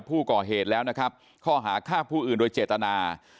ผู้ก่อเหตุแล้วนะครับข้อหาฆ่าผู้อื่นโดยเจตนา